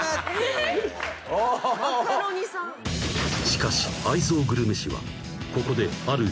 ［しかし愛憎グルメ史はここである］